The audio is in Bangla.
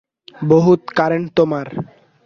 বহুত কারেন্ট তোমার।